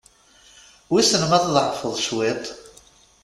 Wissen ma tḍeɛfeḍ cwiṭ?